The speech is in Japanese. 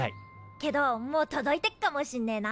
けどもう届いてっかもしんねえな。